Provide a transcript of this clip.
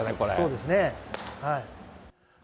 そうですね。